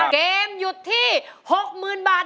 เกมหยุดที่๖๐๐๐บาท